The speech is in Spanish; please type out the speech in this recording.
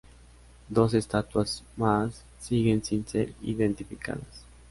Dos estatuas más siguen sin ser identificadas.